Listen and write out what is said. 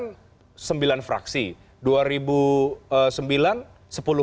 tampaknya tidak terbukti sebetulnya ya